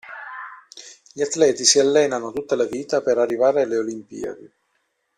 Gli atleti si allenano tutta la vita per arrivare alle Olimpiadi.